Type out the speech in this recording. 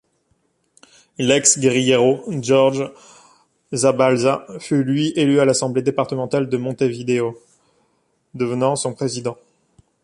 L'ex-guérillero Jorge Zabalza fut lui élu à l'Assemblée départementale de Montevideo, devenant son président.